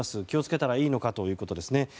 気を付けたらいいのかということですね。